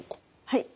はい。